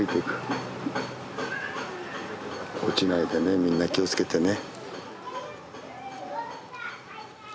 落ちないでねみんな気を付けてね。